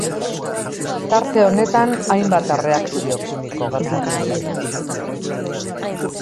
Tarte honetan, hainbat erreakzio kimiko gertatzen dira.